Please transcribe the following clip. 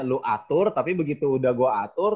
lu atur tapi begitu udah gue atur